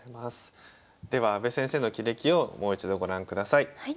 では阿部先生の棋歴をもう一度ご覧ください。